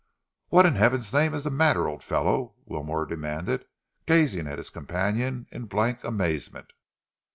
"What in Heaven's name is the matter, old fellow?" Wilmore demanded, gazing at his companion in blank amazement.